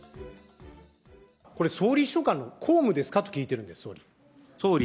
これ、総理秘書官の公務ですかと聞いているんです、総理。